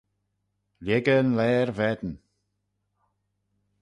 Lhigey'n laair vane